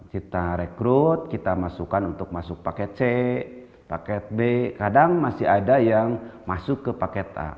kita rekrut kita masukkan untuk masuk paket c paket b kadang masih ada yang masuk ke paket a